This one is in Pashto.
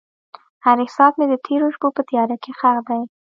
هر احساس مې د تیرو شپو په تیاره کې ښخ دی.